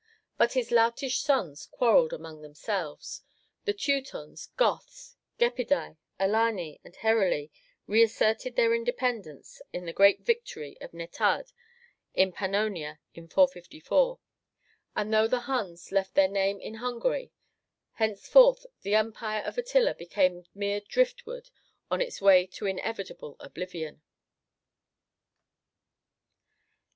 But his "loutish sons" quarrelled among themselves. The Teutons, Goths, Gepidæ, Alani, and Heruli reasserted their independence in the great victory of Netad in Pannonia in 454; and though the Huns left their name in Hungary, henceforth the empire of Attila became mere "drift wood, on its way to inevitable oblivion."